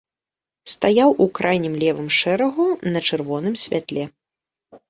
Стаяў у крайнім левым шэрагу на чырвоным святле.